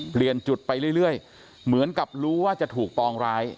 เปลี่ยนจุดไปเรื่อยเหมือนกับรู้ว่าจะถูกปองร้าย